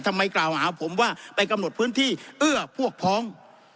กล่าวหาผมว่าไปกำหนดพื้นที่เอื้อพวกพ้อง